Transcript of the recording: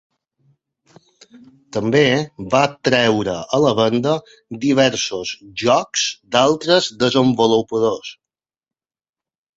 També va treure a la venda diversos jocs d'altres desenvolupadors.